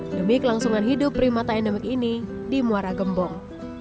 demi kelangsungan hidup primata endemik ini di muara gembong